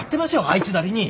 あいつなりに。